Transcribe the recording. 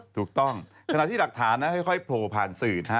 ถูกต้องขณะที่หลักฐานนะฮะค่อยโผล่ผ่านสื่อนะฮะ